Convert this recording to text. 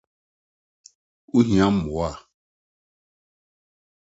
Wohia mmoa?